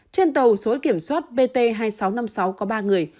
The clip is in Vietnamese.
trên tàu số kiểm soát bt hai nghìn sáu trăm năm mươi sáu có ba người